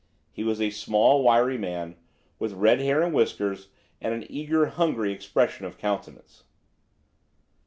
He was a small, wiry man, with red hair and whiskers, and an eager, hungry expression of countenance.